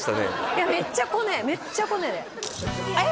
いやめっちゃコネめっちゃコネでえ！